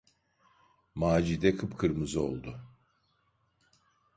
Macide kıpkırmızı oldu.